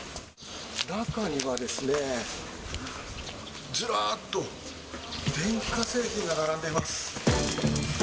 中にはですね、ずらっと電化製品が並んでいます。